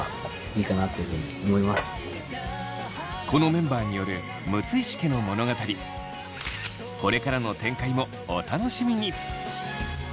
このメンバーによるこれからの展開もお楽しみに！